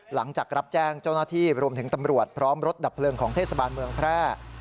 หลังจากรับแจ้งเจ้าหน้าที่รวมถึงตำรวจพร้อมรถดับเพลิงของเทศบาลเมืองแพร่